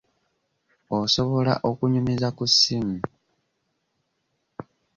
Osobola okunyumiza ku ssimu.